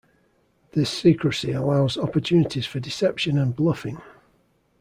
This secrecy allows opportunities for deception and bluffing.